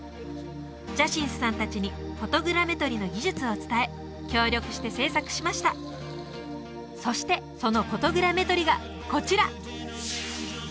ジャシンスさん達にフォトグラメトリの技術を伝え協力して制作しましたそしてそのフォトグラメトリがこちら！